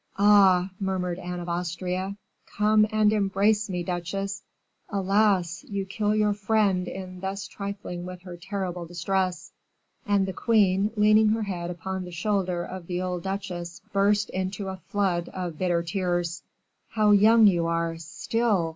"Ah!" murmured Anne of Austria; "come and embrace me, duchesse. Alas! you kill your friend in thus trifling with her terrible distress." And the queen, leaning her head upon the shoulder of the old duchesse, burst into a flood of bitter tears. "How young you are still!"